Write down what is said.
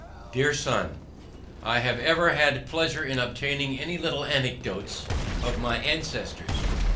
Dear son: I have ever had pleasure in obtaining any little anecdotes of my ancestors.